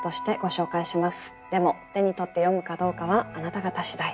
でも手に取って読むかどうかはあなた方次第。